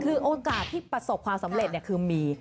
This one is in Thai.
คือโอกาสที่ประสบความสำเร็จคือมี